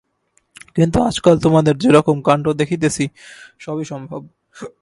কিন্তু আজকাল তোমাদের যে-রকম কাণ্ড দেখিতেছি, সবই সম্ভব।